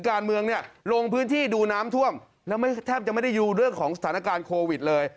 การเมืองเนี่ยลงพื้นที่ดูน้ำท่วมแล้วไม่แทบจะไม่ได้ดูเรื่องของสถานการณ์โควิดเลย